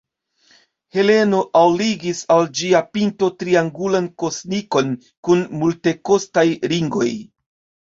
Heleno alligis al ĝia pinto triangulan kosnikon kun multekostaj ringoj.